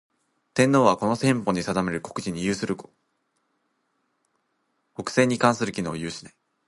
天皇は、この憲法の定める国事に関する行為のみを行ひ、国政に関する権能を有しない。